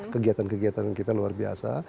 kegiatan kegiatan kita luar biasa